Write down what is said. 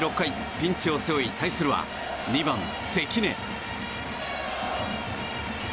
ピンチを背負い対するは２番、関根。